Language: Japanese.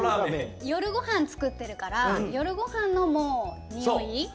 夜ごはんつくってるから夜ごはんのもうにおい。